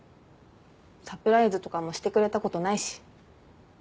サプライズとかもしてくれたことないし。